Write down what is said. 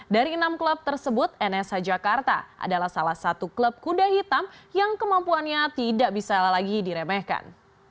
dari enam klub tersebut nsh jakarta adalah salah satu klub kuda hitam yang kemampuannya tidak bisa lagi diremehkan